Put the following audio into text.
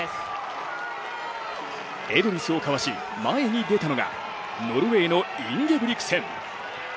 エドリスをかわし、前に出たのがノルウェーのインゲブリクセン。